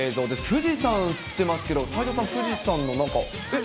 富士山、映ってますけど、齊藤さん、富士山のなんか、え？